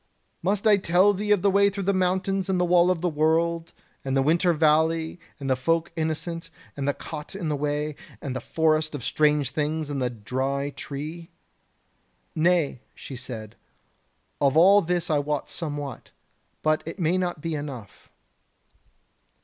Must I tell thee of the way through the mountains and the Wall of the World, and the Winter Valley, and the Folk Innocent, and the Cot on the Way, and the Forest of Strange Things and the Dry Tree?" "Nay," she said, "of all this I wot somewhat, but it may be not enough."